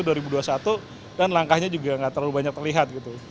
dan langkahnya juga gak terlalu banyak terlihat gitu